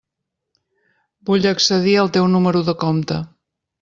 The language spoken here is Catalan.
Vull accedir al teu número de compte.